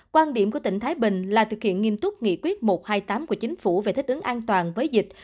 quan điểm của tỉnh thái bình là thực hiện nghiêm túc nghị quyết một trăm hai mươi tám của chính phủ về thích ứng an toàn với dịch